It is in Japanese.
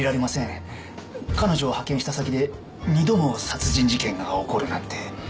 彼女を派遣した先で二度も殺人事件が起こるなんて。